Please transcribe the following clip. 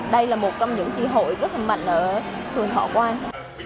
đây là một trong những tri hội rất là mạnh ở phường thọ quang